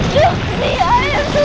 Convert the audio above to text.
jangan lihat aku